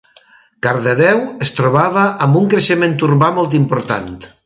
Cardedeu es trobava amb un creixement urbà molt important.